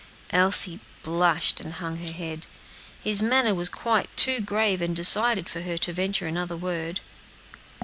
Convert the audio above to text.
Elsie blushed and hung her head. His manner was quite too grave and decided for her to venture another word.